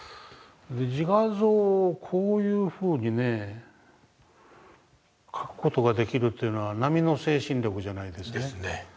自画像をこういうふうにね描く事ができるというのは並の精神力じゃないですね。ですね。